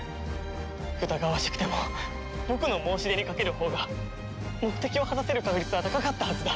疑わしくても僕の申し出にかけるほうが目的を果たせる確率は高かったはずだ。